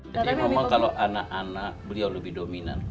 jadi memang kalau anak anak beliau lebih dominan